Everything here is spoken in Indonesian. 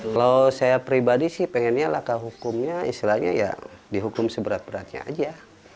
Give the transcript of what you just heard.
kalau saya pribadi sih pengennya langkah hukumnya istilahnya ya dihukum seberat beratnya aja